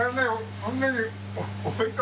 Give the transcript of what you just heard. そんなに。